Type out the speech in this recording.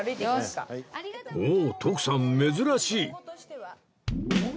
おお徳さん珍しい